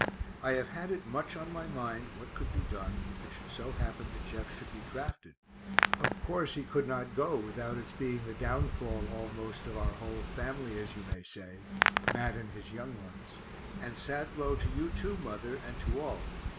I have had it much on my mind what could be done, if it should so happen that Jeff should be drafted of course he could not go without its being the downfall almost of our whole family, as you may say, Mat and his young ones, and sad blow to you too, mother, and to all.